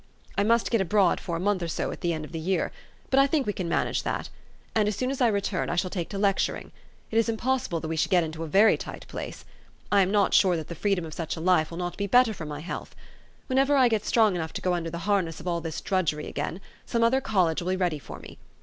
I must get abroad for a month or so at the end of the year ; but I think we can manage that. And, as soon as I return, I shall take to lecturing. It is impossible that we should get into a very tight place. I am not sure that the freedom of such a life will not be better for my health. Whenever I get strong enough to go under the harness of all this drudgery again, some other college will be ready for me.